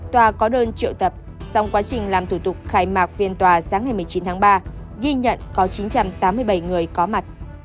tòa có đơn triệu tập song quá trình làm thủ tục khai mạc phiên tòa sáng ngày một mươi chín tháng ba ghi nhận có chín trăm tám mươi bảy người có mặt